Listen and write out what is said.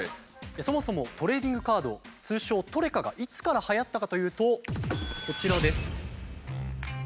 そもそもトレーディングカード通称トレカがいつからはやったかというとこちらです。